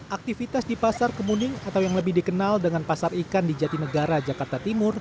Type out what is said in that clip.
aktivitas di pasar kemuning atau yang lebih dikenal dengan pasar ikan di jatinegara jakarta timur